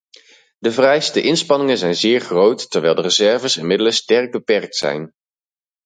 De vereiste inspanningen zijn zeer groot, terwijl de reserves en middelen sterk beperkt zijn.